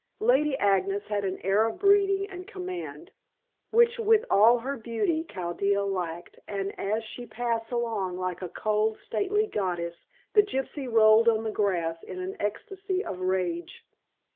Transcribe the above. Lady Agnes had an air of breeding and command, which, with all her beauty, Chaldea lacked, and as she passed along like a cold, stately goddess, the gypsy rolled on the grass in an ecstasy of rage.